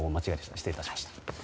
失礼いたしました。